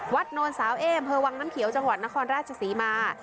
วัดโนสาวเอ้มเฮอร์วังน้ำเขียวจังหวัดนครราชสี่มา